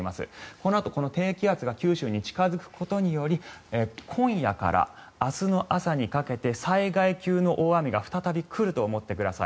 このあと低気圧が九州に近付くことにより今夜から明日の朝にかけて災害級の大雨が再び来ると思ってください。